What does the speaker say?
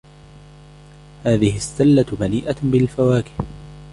هذه السلة مليئة بالفواكه